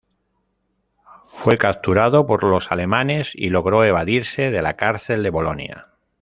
Fue capturado por los alemanes y logró evadirse de la cárcel de Bolonia.